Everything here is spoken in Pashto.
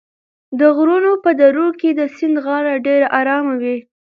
د غرونو په درو کې د سیند غاړه ډېره ارامه وي.